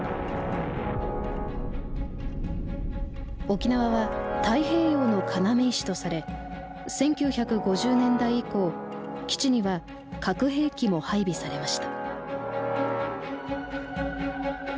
沖縄は太平洋の要石とされ１９５０年代以降基地には核兵器も配備されました。